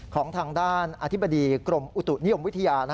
ของทางด้านอธิบดีกรมอุตุนิยมวิทยา